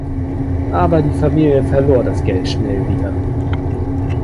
Aber die Familie verlor das Geld schnell wieder.